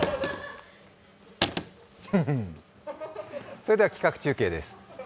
それでは企画中継です。